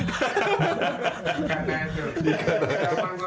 kalo dikatanya tuh